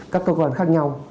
các cơ quan khác nhau